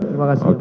terima kasih pak